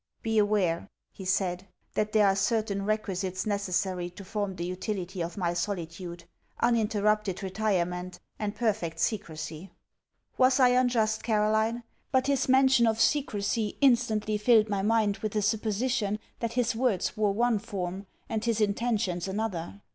'Be aware,' he said, 'that there are certain requisites necessary to form the utility of my solitude: Uninterrupted retirement, and perfect secresy.' Was I unjust, Caroline? but his mention of secresy instantly filled my mind with a supposition that his words wore one form, and his intentions another.